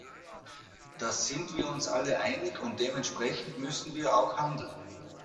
Da sind wir uns alle einig, und dementsprechend müssen wir auch handeln.